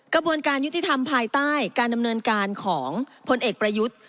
กระบวนการยุติธรรมภายใต้การดำเนินการของพลเอกประยุทธ์